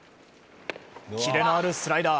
キレのあるスライダー。